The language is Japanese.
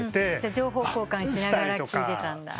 情報交換しながら聴いてたんだ。